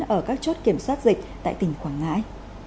ở các chốt kiểm soát dịch tại tỉnh quảng ngãi